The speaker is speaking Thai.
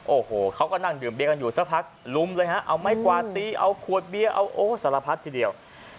โอ้โหเขาก็นั่งดื่มเบียกันอยู่สักพักลุมเลยฮะเอาไม้กวาดตีเอาขวดเบียร์เอาโอ้สารพัดทีเดียว